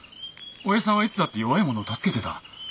おやっさんはいつだって弱い者を助けてた。